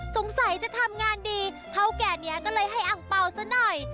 สงสัยจะทำงานดีเท่าแก่นี้ก็เลยให้อังเปล่าซะหน่อย